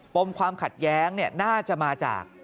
ปมความขัดแย้งเนี่ยน่าจะมาจาก